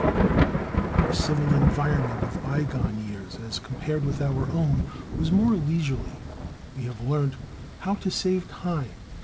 The civil environment of bygone years, as compared with our own, was more leisurely: we have learnt how to save time.